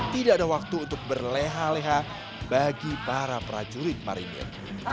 tidak ada waktu untuk berleha leha bagi para prajurit marinir